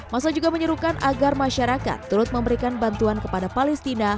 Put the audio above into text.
masa juga menyuruhkan agar masyarakat turut memberikan bantuan kepada palestina